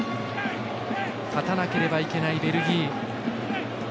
勝たなければいけないベルギー。